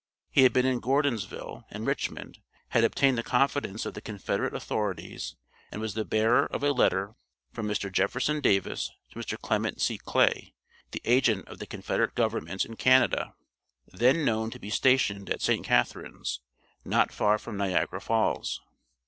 He had been in Gordonsville and Richmond, had obtained the confidence of the Confederate authorities, and was the bearer of a letter from Mr. Jefferson Davis to Mr. Clement C. Clay, the agent of the Confederate Government in Canada, then known to be stationed at St. Catherine's, not far from Niagara Falls.